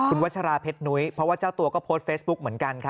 คุณวัชราเพชรนุ้ยเพราะว่าเจ้าตัวก็โพสต์เฟซบุ๊กเหมือนกันค่ะ